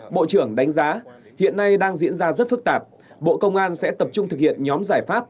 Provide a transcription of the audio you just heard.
bộ trưởng đánh giá hiện nay đang diễn ra rất phức tạp bộ công an sẽ tập trung thực hiện nhóm giải pháp